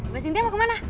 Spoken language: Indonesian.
mbak sintia mau kemana